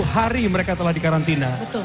hari mereka telah dikarantina